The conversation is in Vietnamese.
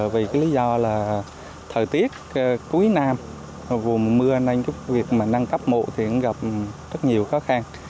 vì lý do là thời tiết cuối năm vùng mưa nên việc nâng cấp mộ gặp rất nhiều khó khăn